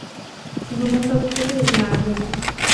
ঘুমন্ত অবস্থাতেই ওকে মারা হয়েছে।